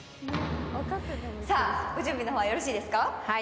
ご準備の方はよろしいですか？